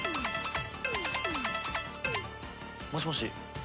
もしもし。